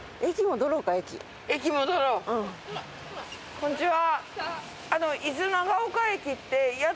こんにちは。